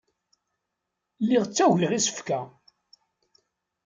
Lliɣ ttagiɣ isefka.